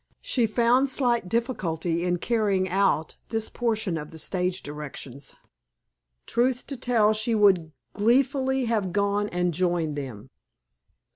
She found slight difficulty in carrying out this portion of the stage directions. Truth to tell, she would gleefully have gone and joined them.